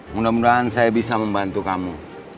mudah mudahan saya bisa membantu kamu